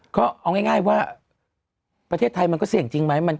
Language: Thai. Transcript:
ก็เอาง่ายว่าประเทศไทยมันก็เสี่ยงจริงไหม